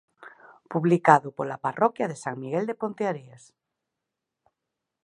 Publicado pola parroquia de San Miguel de Ponteareas.